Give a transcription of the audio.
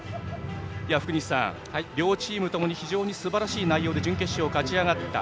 福西さん、両チームともに非常にすばらしい内容で準決勝を勝ち上がった。